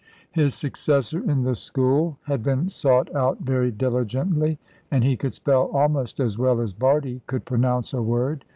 His successor in the school had been sought out very diligently, and he could spell almost as well as Bardie could pronounce a word.